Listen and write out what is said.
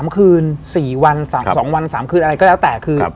๓คืน๔วัน๒วัน๓คืนอะไรก็แล้วแต่คือ